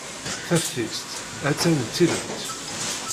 Taftist ha-tt-an d tilemt.